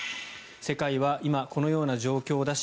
世界は今、このような状況出し